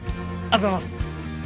あざます！